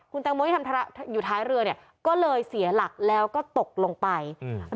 แตงโมที่ทำอยู่ท้ายเรือเนี่ยก็เลยเสียหลักแล้วก็ตกลงไปอืม